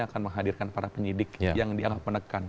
akan menghadirkan para penyidik yang dianggap menekan